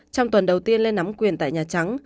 trong tuần đầu tiên lên nắm quyền tại nhà trắng